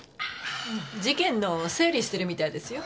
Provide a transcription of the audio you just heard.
事件の整理してるみたいですよ。